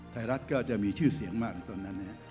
รัฐก็จะมีชื่อเสียงมากในตอนนั้นนะครับ